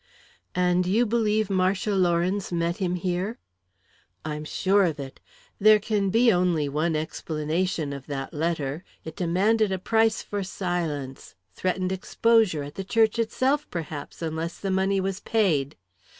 "And you believe Marcia Lawrence met him here?" "I'm sure of it. There can be only one explanation of that letter it demanded a price for silence; threatened exposure at the church itself, perhaps, unless the money was paid.